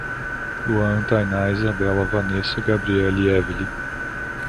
Luan, Tainá, Isabella, Vanesa, Gabriele e Evely